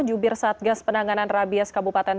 jubir satgas penanganan rabies kabupaten